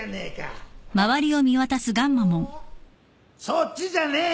そっちじゃねえ！